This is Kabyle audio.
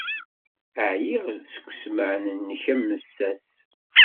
Ɛyiɣ seg ussemɛen-nnek amessas.